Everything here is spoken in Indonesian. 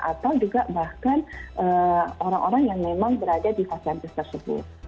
atau juga bahkan orang orang yang memang berada di fastentis tersebut